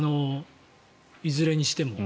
いずれにしても。